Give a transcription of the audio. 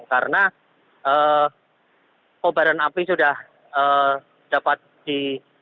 karena kebaran api sudah dapat di